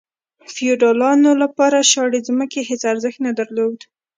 د فیوډالانو لپاره شاړې ځمکې هیڅ ارزښت نه درلود.